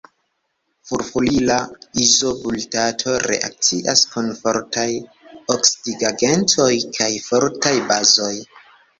Furfurila izobutirato reakcias kun fortaj oksidigagentoj kaj fortaj bazoj.